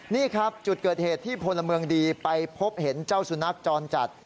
นี่ครับจุดเกิดเหตุที่พลเมืองดีไปพบเห็นเจ้าสุนัขจรจัด